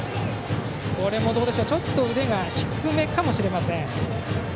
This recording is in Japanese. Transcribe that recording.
ちょっと腕が低めかもしれません。